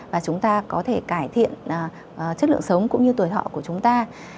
và chúng ta có thể cải thiện chất lượng sống cũng như tuổi thọ của chúng ta